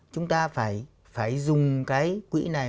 chúng ta phải dùng cái quỹ này